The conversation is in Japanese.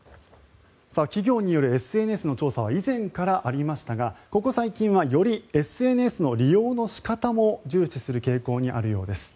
企業によるＳＮＳの調査は以前からありましたがここ最近はよりＳＮＳの利用の仕方も重視する傾向にあるようです。